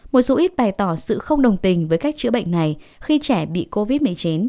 một số ít bày tỏ sự không đồng tình với cách chữa bệnh này khi trẻ bị covid một mươi chín